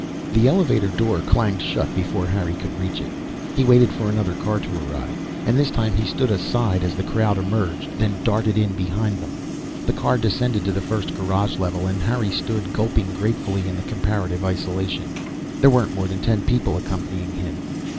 The elevator door clanged shut before Harry could reach it. He waited for another car to arrive, and this time he stood aside as the crowd emerged, then darted in behind them. The car descended to the first garage level, and Harry stood gulping gratefully in the comparative isolation. There weren't more than ten people accompanying him.